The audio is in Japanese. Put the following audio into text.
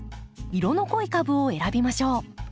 色の濃い株を選びましょう。